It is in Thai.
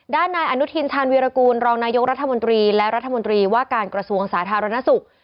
นายอนุทินชาญวีรกูลรองนายกรัฐมนตรีและรัฐมนตรีว่าการกระทรวงสาธารณสุข